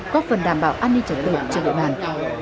có phần đảm bảo an ninh chẳng đủ cho địa bàn